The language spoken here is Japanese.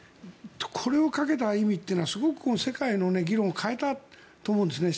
これをかけた意味というのはすごく世界の議論を変えたと思うんですね。